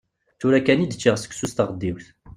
Tura kan i d-ččiɣ seksu s tɣeddiwt.